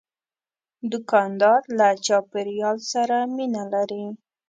دوکاندار له چاپیریال سره مینه لري.